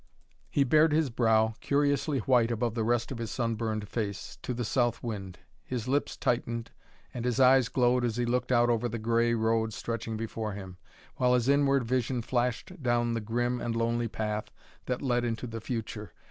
He bared his brow, curiously white above the rest of his sunburned face, to the south wind. His lips tightened and his eyes glowed as he looked out over the gray road stretching before him, while his inward vision flashed down the grim and lonely path that led into the future.